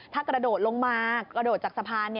ถ้ากระโดดลงมากระโดดจากสะพาน